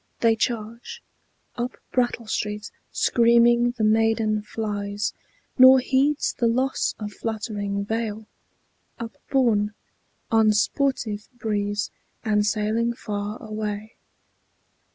They charge Up Brattle Street. Screaming the maiden flies, Nor heeds the loss of fluttering veil, upborne On sportive breeze, and sailing far away.